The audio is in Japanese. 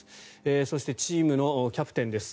そしてチームのキャプテンです。